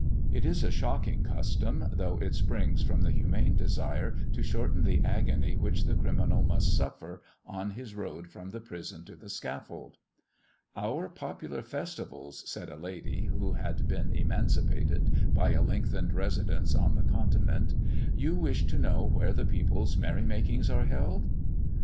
It is a shocking custom, though it springs from the humane desire to shorten the agony which the criminal must suffer on his road from the prison to the scaffold. "Our popular festivals!" said a lady, who had been emancipated by a lengthened residence on the Continent. "You wish to know where the people's merry makings are held?